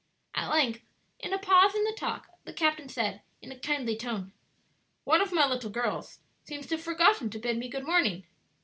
At length, in a pause in the talk, the captain said, in a kindly tone, "One of my little girls seems to have forgotten to bid me good morning."